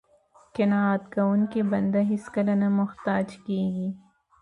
قناعت کوونکی بنده هېڅکله نه محتاج کیږي.